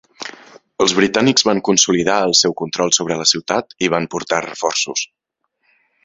Els britànics van consolidar el seu control sobre la ciutat i van portar reforços.